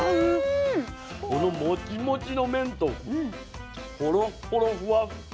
このもちもちの麺とほろっほろふわっふわの。